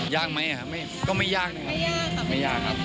ยากไหมครับก็ไม่ยากนะครับ